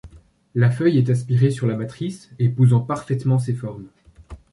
La feuille est aspirée sur la matrice, épousant parfaitement ses formes.